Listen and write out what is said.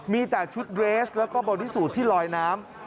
มีแต่ชุดเลสและบริสุทธิ์ที่ลอยน้ำ